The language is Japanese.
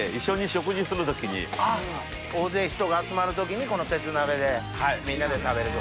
大勢人が集まる時にこの鉄鍋でみんなで食べると。